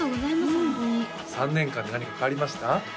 ホントに３年間で何か変わりました？